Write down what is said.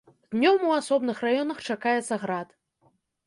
Днём у асобных раёнах чакаецца град.